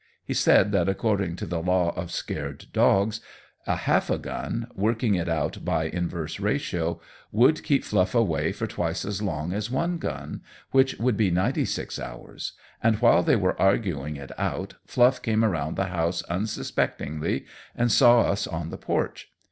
He said that according to the law of scared dogs, a half a gun, working it out by inverse ratio, would keep Fluff away for twice as long as one gun, which would be ninety six hours; and while they were arguing it out Fluff came around the house unsuspectingly and saw us on the porch.